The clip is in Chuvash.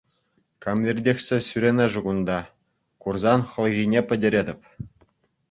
Кам иртӗхсе ҫӳренӗ-ши кунта, курсан хӑлхине пӗтӗретӗп.